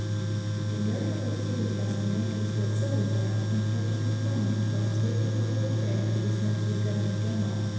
The murderer was seized by some Yankees who had settled there, and kept in confinement until a statement of the whole affair could be sent to the governor general.